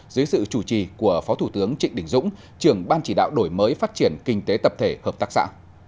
dưới sự chủ trì của phó thủ tướng trịnh đình dũng trưởng ban chỉ đạo đổi mới phát triển kinh tế tập thể hợp tác xã